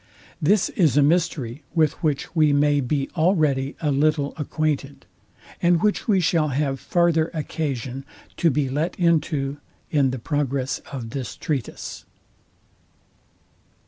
This is a mystery, with which we may be already a little acquainted, and which we shall have farther occasion to be let into in the progress of this treatise.